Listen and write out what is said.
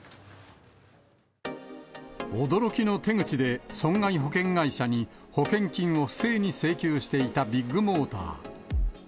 驚きの手口で損害保険会社に保険金を不正に請求していたビッグモーター。